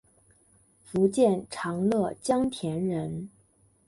福建长乐江田人。